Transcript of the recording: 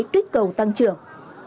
tích cầu tăng trưởng